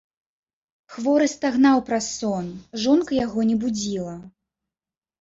Хворы стагнаў праз сон, жонка яго не будзіла.